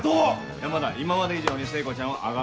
山田今まで以上に聖子ちゃんを崇めろ。